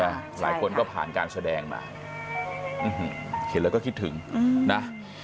หลายคนก็ผ่านการแสดงมาเห็นแล้วก็คิดถึงนะ